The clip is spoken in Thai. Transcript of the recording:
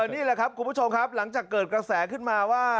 นี่แหละครับคุณผู้ชมครับหลังจากเกิดกระแสขึ้นมาว่า